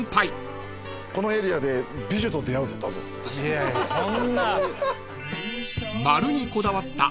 いやいやそんな。